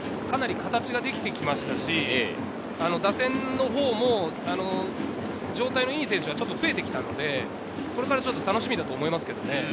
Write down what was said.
だいぶピッチャーの継投も含めてかなり形ができてきましたし、打線も状態のいい選手が増えてきたので、これから楽しみだと思いますけどね。